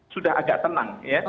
sudah agak tenang ya